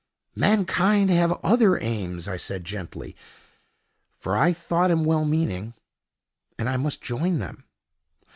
"Mankind have other aims," I said gently, for I thought him well meaning; "and I must join them."